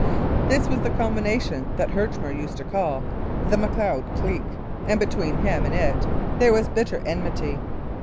This was the combination that Herchmer used to call "the Macleod clique," and between him and it there was bitter enmity.